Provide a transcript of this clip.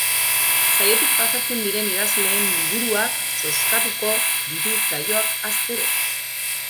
Saiotik pasatzen diren idazleen liburuak zozkatuko ditu saioak astero.